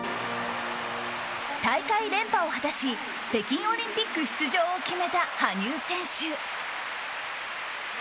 大会連覇を果たし北京オリンピック出場を決めた羽生選手。